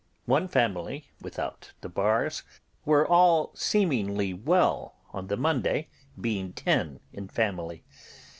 One family without the Bars, and not far from me, were all seemingly well on the Monday, being ten in family.